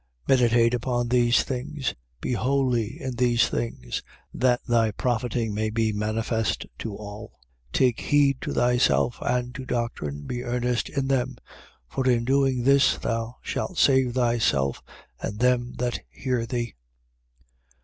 4:15. Meditate upon these things, be wholly in these things: that thy profiting may be manifest to all. 4:16. Take heed to thyself and to doctrine: be earnest in them. For in doing this thou shalt both save thyself and them that hear thee.